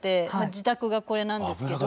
自宅がこれなんですけど。